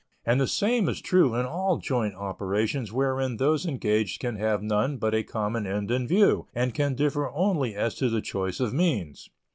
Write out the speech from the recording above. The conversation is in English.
And the same is true in all joint operations wherein those engaged can have none but a common end in view and can differ only as to the choice of means.